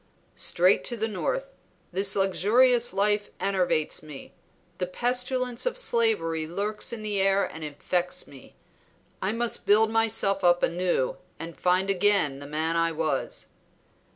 "Straight to the North. This luxurious life enervates me; the pestilence of slavery lurks in the air and infects me; I must build myself up anew and find again the man I was."